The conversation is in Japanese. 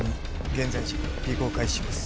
現在時尾行開始します